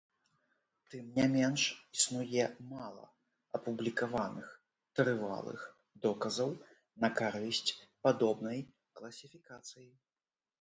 Тым ня менш, існуе мала апублікаваных трывалых доказаў на карысць падобнай класіфікацыі.